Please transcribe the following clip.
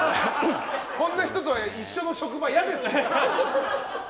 こんな人と一緒の職場嫌です！